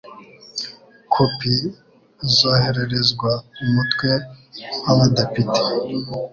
kopi zohererezwa umutwe w abadepite